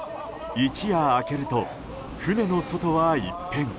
一夜明けると船の外は一変。